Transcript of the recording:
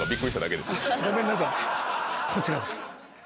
ごめんなさいこちらです。